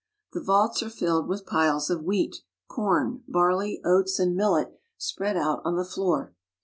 The vaults are filled with piles of wheat, corn, barley, oats, and millet spread out on the floor.